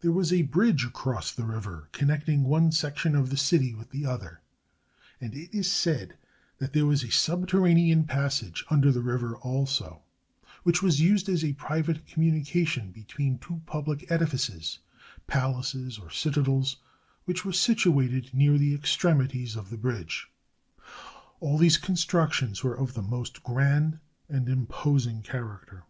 There was a bridge across the river, connecting one section of the city with the other, and it is said that there was a subterranean passage under the river also, which was used as a private communication between two pub lic edifices — palaces or citadels — which were situated near the extremities of the bridge. All these construc tions were of the most grand and imposing character.